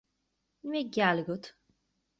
An mbeidh gal agat?